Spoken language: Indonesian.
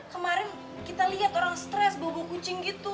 kemarin kita lihat orang stres bawa bawa kucing gitu